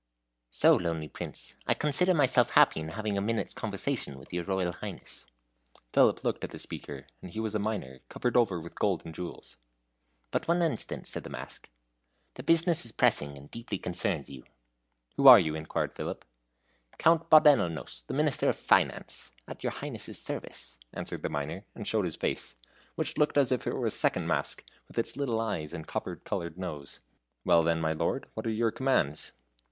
"So lonely, Prince! I consider myself happy in having a minute's conversation with your Royal Highness." Philip looked at the speaker; and he was a miner, covered over with gold and jewels. "But one instant," said the mask. "The business is pressing, and deeply concerns you." "Who are you?" inquired Philip. "Count Bodenlos, the Minister of Finance, at your Highness's service," answered the miner, and showed his face, which looked as if it were a second mask, with its little eyes and copper colored nose. "Well, then, my lord, what are your commands?"